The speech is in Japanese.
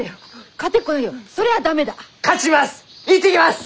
勝ちます！